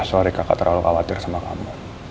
sorry kakak terlalu khawatir sama kamu